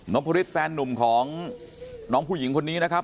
พฤษแฟนนุ่มของน้องผู้หญิงคนนี้นะครับ